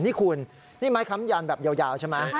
นี่คุณนี่ไม้ค้ำยันแบบยาวใช่ไหม